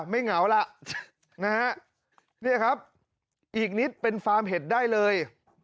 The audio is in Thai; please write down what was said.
เหงาล่ะนะฮะเนี่ยครับอีกนิดเป็นฟาร์มเห็ดได้เลย